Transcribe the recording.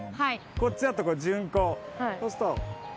こっちだと順光そうすると。